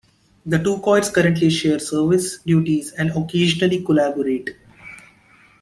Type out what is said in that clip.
The two choirs currently share service duties and occasionally collaborate.